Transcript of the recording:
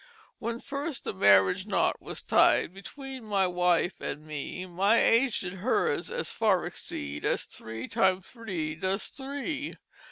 "When first the Marriage Knot was tied Between my Wife and Me My age did hers as far exceed As three times three does three.